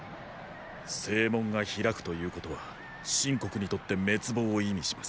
正門が開くということは秦国にとって滅亡を意味します。